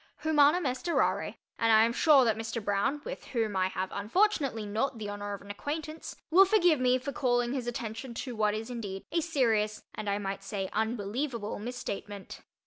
Humanum est errare, and I am sure that Mr. Broun (with whom I have unfortunately not the honour of an acquaintance) will forgive me for calling his attention to what is indeed a serious, and I might say, unbelievable, misstatement.